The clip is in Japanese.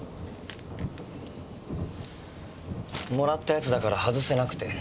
もらったやつだからはずせなくて。